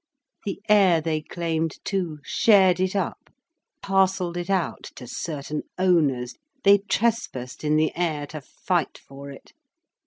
The air they claimed too, shared it up, parcelled it out to certain owners, they trespassed in the air to fight for it.